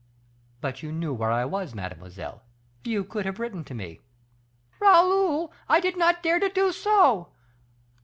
"But you knew where I was, mademoiselle; you could have written to me." "Raoul, I did not dare to do so.